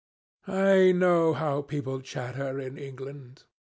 I know how people chatter in England.